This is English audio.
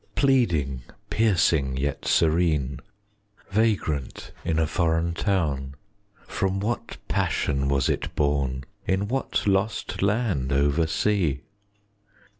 Pleading, piercing, yet serene, Vagrant in a foreign town, 10 From what passion was it born, In what lost land over sea?